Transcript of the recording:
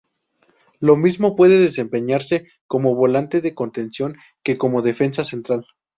Lo mismo puede desempeñarse como volante de contención que como defensa central.